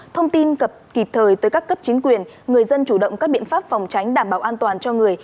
thông tin cập kịp thời tới các cấp chính quyền người dân chủ động các biện pháp phòng tránh đảm bảo an toàn cho người